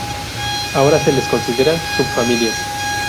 Ahora se las considera subfamilias.